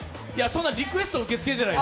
そんなんリクエストは受け付けてない。